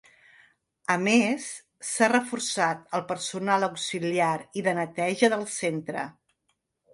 A més, s’ha reforçat el personal auxiliar i de neteja del centre.